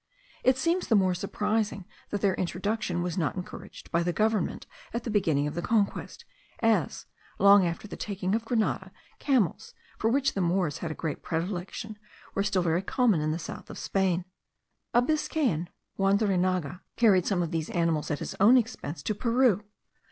It seems the more surprising, that their introduction was not encouraged by the government at the beginning of the conquest, as, long after the taking of Grenada, camels, for which the Moors had a great predilection, were still very common in the south of Spain. A Biscayan, Juan de Reinaga, carried some of these animals at his own expense to Peru.